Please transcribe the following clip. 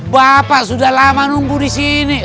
bapak sudah lama nunggu disini